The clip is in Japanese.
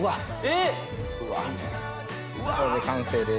これで完成です。